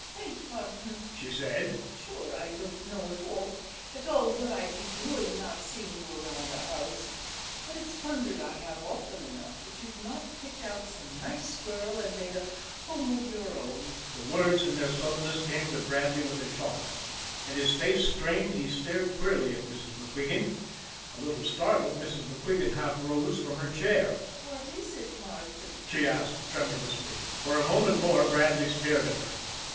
"Faith, Martin," she said, "sure I don't know at all, at all, what I'd be doing not seeing you around the house; but it's wondered I have often enough you've not picked out some nice girl and made a home of your own." The words in their suddenness came to Bradley with a shock; and, his face strained, he stared queerly at Mrs. MacQuigan. A little startled, Mrs. MacQuigan half rose from her chair. "What is it, Martin?" she asked tremulously. For a moment more, Bradley stared at her.